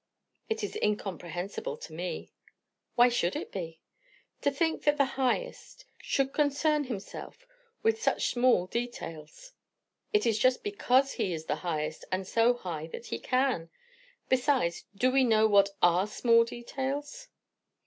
"It is incomprehensible to me." "Why should it be?" "To think that the Highest should concern him self with such small details." "It is just because he is the Highest, and so high, that he can. Besides do we know what are small details?"